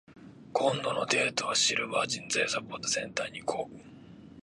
今度のデートは、シルバー人材サポートセンターに行こう。